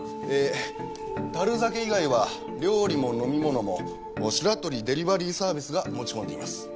え樽酒以外は料理も飲み物もシラトリ・デリバリーサービスが持ち込んでいます。